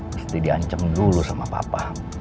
mesti di ancem dulu sama papa